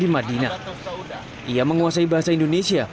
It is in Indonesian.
ia menguasai bahasa indonesia